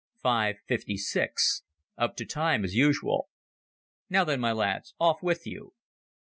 Five fifty six. Up to time, as usual. "Now then, my lads, off with you."